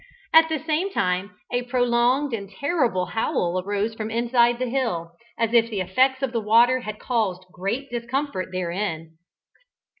At the same moment a prolonged and terrible howl arose from inside the hill, as if the effects of the water had caused great discomfort therein.